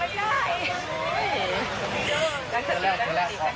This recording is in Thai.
ดังนั้นคุณพ่อได้รับทั้ง๑๓ชีวิตกลับสู่อ้อมอก